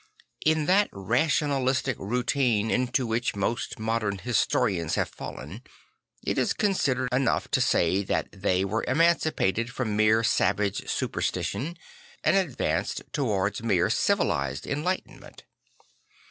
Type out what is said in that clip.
In that rationalistic routine into which most modern historians have fallen, it is considered enough to say that they were emancipated from mere savage superstition and advanced towards mere civilised enlightenment.